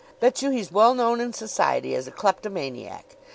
Bet you he's well known in society as a kleptomaniac.